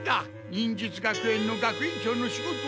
忍術学園の学園長の仕事は。